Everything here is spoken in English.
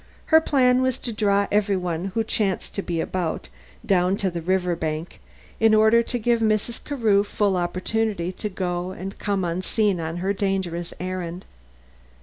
Her plan was to draw every one who chanced to be about, down to the river bank, in order to give Mrs. Carew full opportunity to go and come unseen on her dangerous errand.